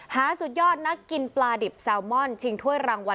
สุดยอดนักกินปลาดิบแซลมอนชิงถ้วยรางวัล